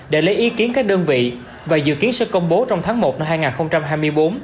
để lấy ý kiến các đơn vị và dự kiến sẽ công bố trong tháng một năm hai nghìn hai mươi bốn